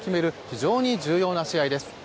非常に重要な試合です。